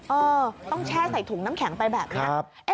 เออต้องแช่ใส่ถุงน้ำแข็งไปแบบนี้